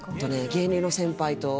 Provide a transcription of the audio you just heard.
芸人の先輩と。